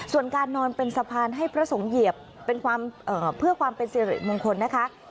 ส่วนการนอนเป็นสะพานให้พระสงฆ์เหยียบเพื่อความเป็นสิริมงคลนะคะ